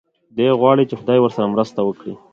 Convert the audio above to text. دی غواړي چې خدای ورسره مرسته وکړي.